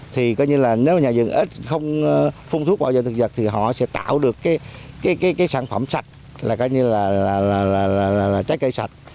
thì coi như là nếu nhà dân ít không phun thuốc bảo vệ thực vật thì họ sẽ tạo được cái sản phẩm sạch là coi như là trái cây sạch